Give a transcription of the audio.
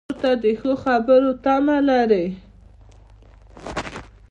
ورور ته د ښو خبرو تمه لرې.